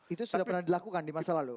itu sudah pernah dilakukan di masa lalu